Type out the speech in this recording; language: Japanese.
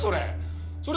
それ。